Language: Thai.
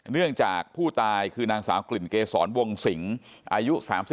เนื่องจากผู้ตายคือนางสาวกลิ่นเกษรวงสิงอายุ๓๒